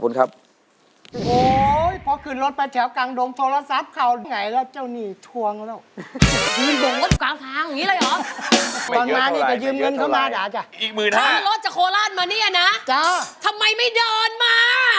จ้าทำไมไม่เดินมา